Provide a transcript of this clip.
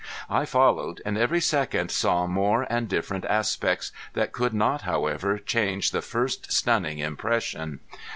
I followed, and every second saw more and different aspects, that could not, however, change the first stunning impression.